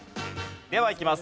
ではいきます。